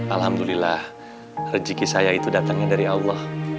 alhamdulillah rezeki saya itu datangnya dari allah